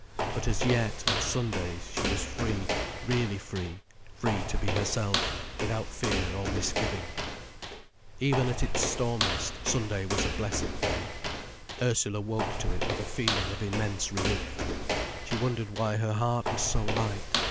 But as yet, on Sundays, she was free, really free, free to be herself, without fear or misgiving. Even at its stormiest, Sunday was a blessed day. Ursula woke to it with a feeling of immense relief. She wondered why her heart was so light.